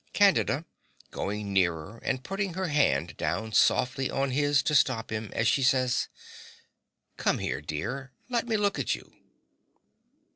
CANDIDA (going nearer, and putting her hand down softly on his to stop him, as she says). Come here, dear. Let me look at you.